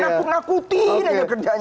nakut nakutin aja kerjanya